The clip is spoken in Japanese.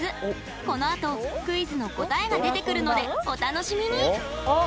このあと、クイズの答えが出てくるのでお楽しみに！